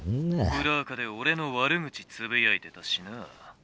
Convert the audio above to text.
「裏垢で俺の悪口つぶやいてたしな」。